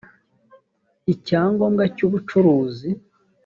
icyangombwa cy ubucuruzi